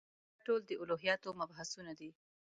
دا ټول د الهیاتو مبحثونه دي.